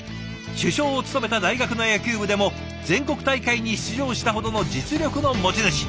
主将を務めた大学の野球部でも全国大会に出場したほどの実力の持ち主。